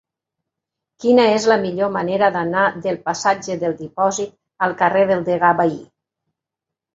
Quina és la millor manera d'anar del passatge del Dipòsit al carrer del Degà Bahí?